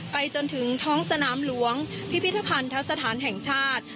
จนถึงท้องสนามหลวงพิพิธภัณฑสถานแห่งชาติ